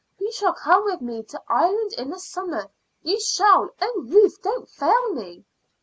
You shall come with me to Ireland in the summer. You shall. Oh Ruth, don't fail me!"